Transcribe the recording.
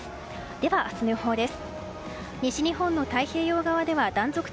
では、明日の予報です。